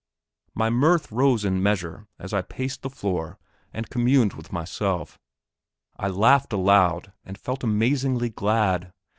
My mirth rose in measure as I paced the floor and communed with myself. I laughed aloud, and felt amazingly glad.